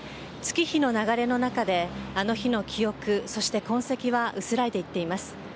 月日の流れの中であの日の記憶、そして痕跡は薄らいでいっています。